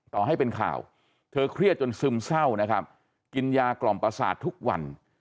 ต่อให้เป็นข่าวเธอเครียดจนซึมเศร้านะครับกินยากล่อมประสาททุกวัน